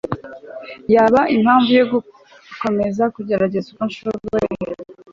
Yaba impamvu yo guhora ngerageza uko nshoboye